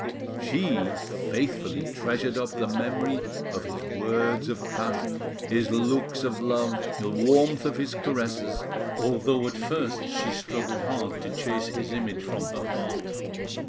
She faithfully treasured up the memory of his words of passion, his looks of love, the warmth of his caresses, although at first she struggled hard to chase his image from her heart.